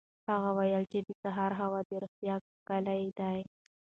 هغه وویل چې د سهار هوا د روغتیا کلي ده.